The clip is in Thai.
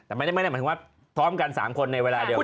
แต่ไม่ได้หมายถึงว่าพร้อมกัน๓คนในเวลาเดียวกัน